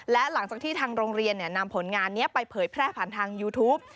และหลังจากที่ทางโรงเรียนนำผลงานนี้ไปเผยแพร่ผ่านทางยูทูป